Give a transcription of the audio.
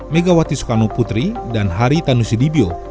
megawati soekarno putri dan hari tanusi dibio